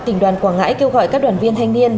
tỉnh đoàn quảng ngãi kêu gọi các đoàn viên thanh niên